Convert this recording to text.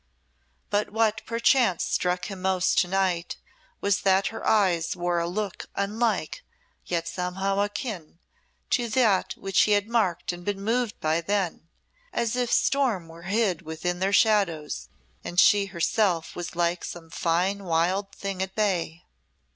But what perchance struck him most to night, was that her eyes wore a look unlike, yet somehow akin, to that which he had marked and been moved by then as if storm were hid within their shadows and she herself was like some fine wild thing at bay.